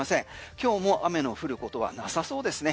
今日も雨の降ることはなさそうですね。